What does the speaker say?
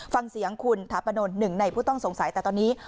ฟังเสียงคุณถาปนนท์หนึ่งในผู้ต้องสงสัยแต่ตอนนี้